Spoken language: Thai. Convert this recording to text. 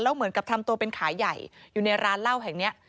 เหมือนกับทำตัวเป็นขายใหญ่อยู่ในร้านเหล้าแห่งเนี้ย